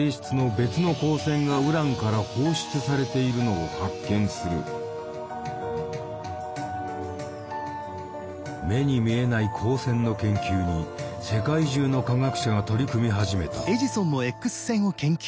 翌年フランスの物理学者「目に見えない光線」の研究に世界中の科学者が取り組み始めた。